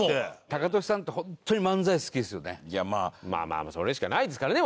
まあまあそれしかないですからね